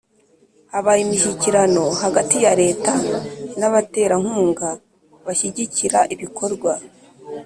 habaye imishyikirano hagati ya Leta n abaterankunga bashyigikira ibikorwa